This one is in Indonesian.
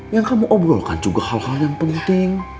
yang kamu obrolkan juga hal hal yang penting